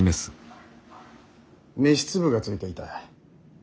飯粒がついていた。